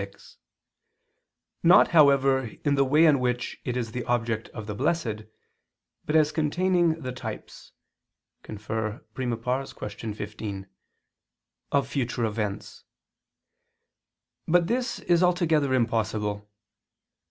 2, ad 4], not, however, in the way in which it is the object of the blessed, but as containing the types [*Cf. I, Q. 15] of future events. But this is altogether impossible.